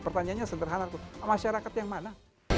pertanyaannya sederhana masyarakat yang mana